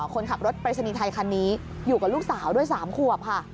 คนขับรถปรายศนีย์ไทยคันนี้อยู่กับลูกสาวด้วย๓ขวบค่ะ